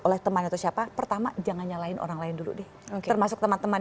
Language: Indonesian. oleh teman atau siapa pertama jangan nyalahin orang lain dulu deh termasuk teman teman